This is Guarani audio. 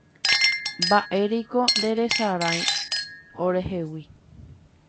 Mba'éreiko nderesarái orehegui